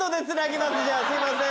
すいません。